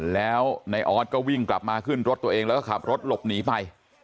แล้วในออสก็วิ่งกลับมาขึ้นรถตัวเองแล้วก็ขับรถหลบหนีไป